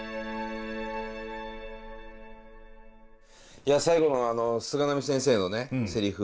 いや最後の菅波先生のねせりふ。